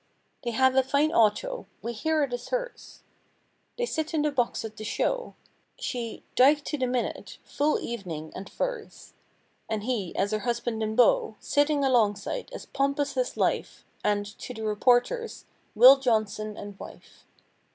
They have a fine auto, (we hear it is hers) — They sit in the box at the show; She, diked to the minute—"full evening" and furs. And he, as her husband and beau. Sitting alongside, as pompous as life. And, to the reporters—"Will Johnson and wife."